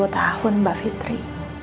dua puluh tahun mbak fitri